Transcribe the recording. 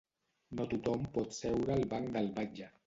No tothom pot seure al banc del batlle.